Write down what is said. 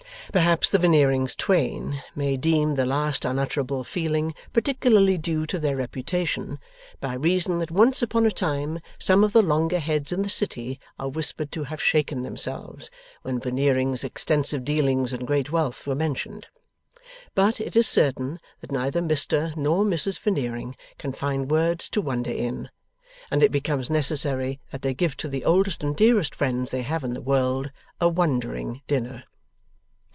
Perhaps the Veneerings twain may deem the last unutterable feeling particularly due to their reputation, by reason that once upon a time some of the longer heads in the City are whispered to have shaken themselves, when Veneering's extensive dealings and great wealth were mentioned. But, it is certain that neither Mr nor Mrs Veneering can find words to wonder in, and it becomes necessary that they give to the oldest and dearest friends they have in the world, a wondering dinner.